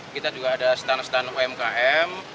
kita juga ada stand stand umkm